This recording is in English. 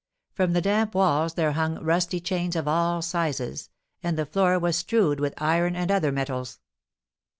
From the damp walls there hung rusty chains of all sizes; and the floor was strewed with iron and other metals.